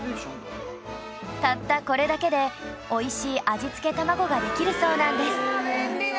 たったこれだけでおいしい味付けたまごができるそうなんです